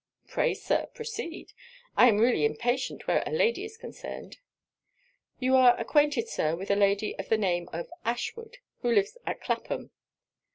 'Pray, Sir, proceed. I am really impatient where a lady is concerned.' 'You are acquainted, Sir, with a lady of the name of Ashwood, who lives at Clapham?'